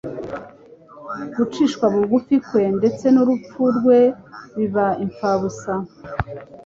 gucishwa bugufi kwe ndetse n'urupfu rwe biba impfabusa,